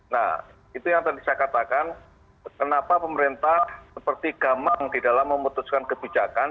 nah itu yang tadi saya katakan kenapa pemerintah seperti gamang di dalam memutuskan kebijakan